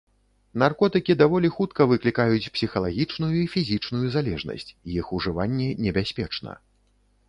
Наркотыкі даволі хутка выклікаюць псіхалагічную і фізічную залежнасць, іх ужыванне небяспечна.